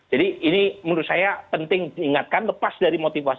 jadi ini menurut saya penting diingatkan lepas dari motivasi